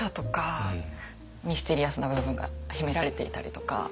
ミステリアスな部分が秘められていたりとか。